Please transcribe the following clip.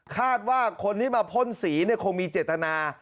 คาดว่าคนที่มาพ่นสีคงมีเจตนา